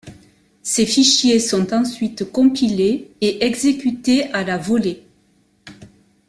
Ces fichiers sont ensuite compilés et exécutés à la volée.